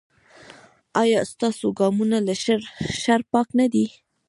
ایا ستاسو ګامونه له شر پاک نه دي؟